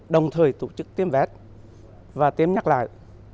đồng thời tổ chức tiêm vét và tiêm nhắc lại